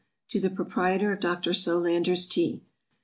To the Proprietor of Dr. Solander's TEA.